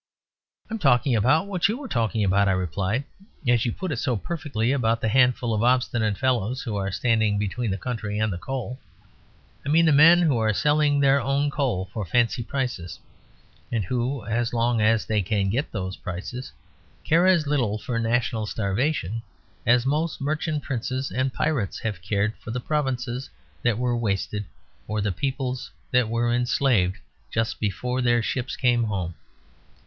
"I'm talking about what you were talking about," I replied; "as you put it so perfectly, about the handful of obstinate fellows who are standing between the country and the coal. I mean the men who are selling their own coal for fancy prices, and who, as long as they can get those prices, care as little for national starvation as most merchant princes and pirates have cared for the provinces that were wasted or the peoples that were enslaved just before their ships came home.